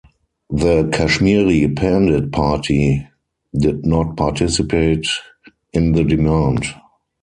The Kashmiri Pandit party did not participate in the demand.